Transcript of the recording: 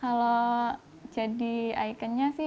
kalau jadi ikonnya sih